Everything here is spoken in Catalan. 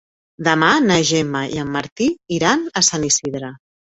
Demà na Gemma i en Martí iran a Sant Isidre.